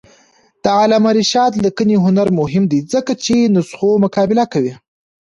د علامه رشاد لیکنی هنر مهم دی ځکه چې نسخو مقابله کوي.